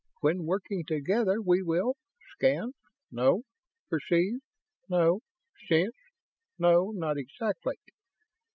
When working together, we will ... scan? No. Perceive? No. Sense? No, not exactly.